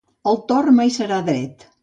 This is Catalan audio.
El tort mai serà dret.